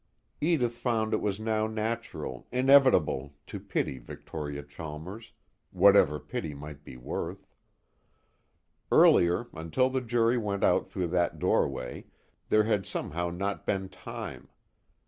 Edith found it was now natural, inevitable, to pity Victoria Chalmers whatever pity might be worth. Earlier, until the jury went out through that doorway, there had somehow not been time.